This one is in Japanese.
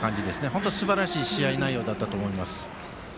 本当にすばらしい試合内容だったと思います。